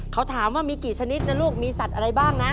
เขาถามว่ามีกี่ชนิดนะลูกมีสัตว์อะไรบ้างนะ